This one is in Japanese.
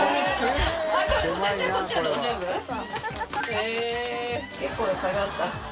へぇ結構な差があった。